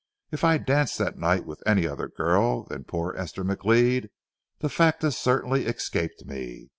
If I danced that night with any other girl than poor Esther McLeod, the fact has certainly escaped me.